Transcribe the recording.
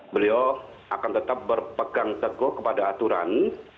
beliau akan tetap berpegang teguh kepada aturan